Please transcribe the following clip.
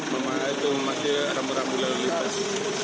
memakai itu memakai rambu rambu lalu lintas